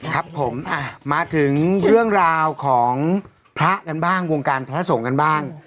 ครับผมมาถึงเรื่องราวของพระกันบ้างวงการพระสงฆ์กันบ้าง